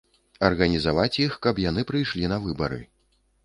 Арганізаваць іх, каб яны прыйшлі на выбары.